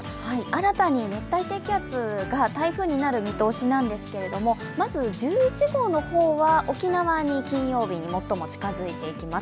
新たに熱帯低気圧が台風になる見通しなんですけどもまず１１号の方は、沖縄に金曜日に最も近づいてきます。